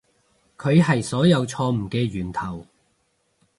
佢係所有錯誤嘅源頭